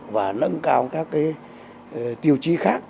và nâng cao các tiêu chí khác